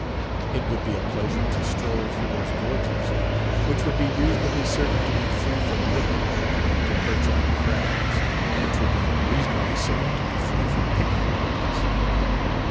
It would be a pleasure to stroll through those gorges, which would be reasonably certain to be free from litter, and to perch on the crags, which would be reasonably certain to be free from picnic parties.